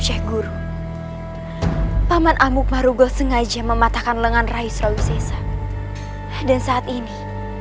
syekh guru paman amuk marugul sengaja mematahkan lengan rais rawisesa dan saat ini